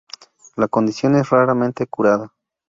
La condición es raramente curada.